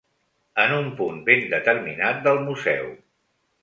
En un punt ben determinat del museu.